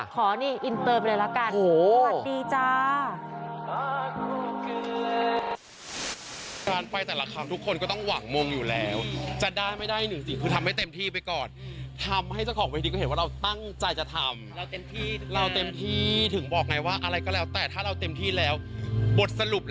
ขออินเติมไปเลยละกัน